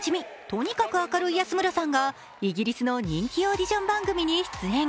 とにかく明るい安村さんがイギリスの人気オーディション番組に出演。